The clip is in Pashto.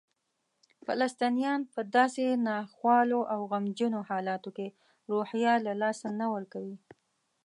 فلسطینیان په داسې ناخوالو او غمجنو حالاتو کې روحیه له لاسه نه ورکوي.